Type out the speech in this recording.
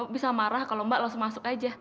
bisa marah kalau mbak langsung masuk aja